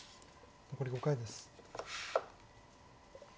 残り５回です。